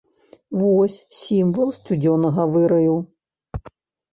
Вось сімвал сцюдзёнага выраю.